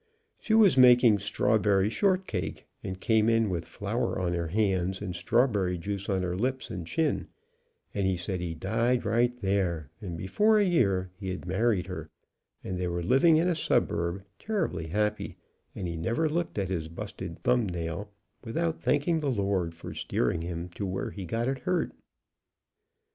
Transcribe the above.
She was making a strawberry snortcake, and came in with flour on her hands, and strawberry juice on her lips and chin, and he said he died right there, and before a year he had married her and they were living in a suburb, terribly happy, and he never looked at his busted thumb nail without thanking the Lord for steering him to where he got it hurt.